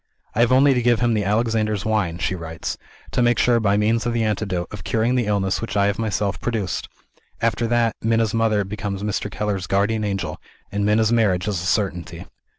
"I have only to give him the Alexander's Wine," she writes, "to make sure, by means of the antidote, of curing the illness which I have myself produced. After that, Minna's mother becomes Mr. Keller's guardian angel, and Minna's marriage is a certainty."